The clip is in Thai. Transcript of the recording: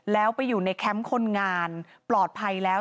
แล้วไปอยู่ในแคมป์คนงานปลอดภัยแล้ว